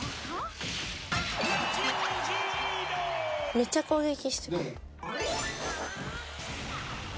めっちゃ攻撃してくる。